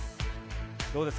どうですか？